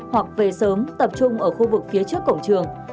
hoặc về sớm tập trung ở khu vực phía trước cổng trường